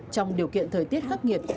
trong điều kiện thời tiết khắc nghiệt